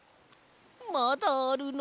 まだあるの？